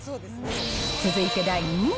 続いて第２位。